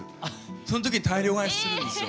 その時大量買いするんですよ。